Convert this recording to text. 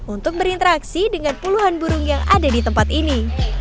untuk berinteraksi dengan puluhan burung yang ada di tempat ini